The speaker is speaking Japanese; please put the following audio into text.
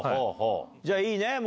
じゃあいいね？